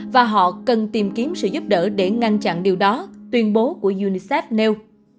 và họ cần tìm kiếm sự giúp đỡ để ngăn chặn điều đó tuyên bố của unicef nêu